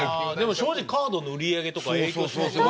正直カードの売り上げとか影響しますよね。